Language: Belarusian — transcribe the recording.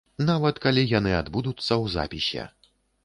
Нават калі яны адбудуцца ў запісе.